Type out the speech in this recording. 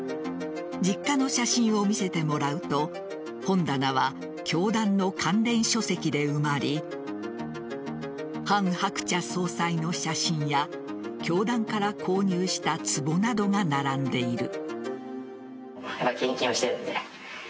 実家の写真を見せてもらうと本棚は教団の関連書籍で埋まりハン・ハクチャ総裁の写真や教団から購入したつぼなどが並んでいる。